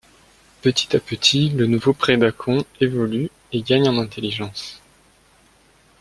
Petit à petit, le nouveau Predacon évolue et gagne en intelligence.